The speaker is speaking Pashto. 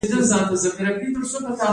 د پنجاب ولسوالۍ سړه ده